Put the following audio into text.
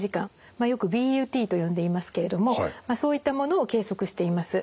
よくＢＵＴと呼んでいますけれどもそういったものを計測しています。